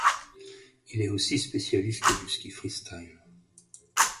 Il est aussi spécialiste du ski freestyle.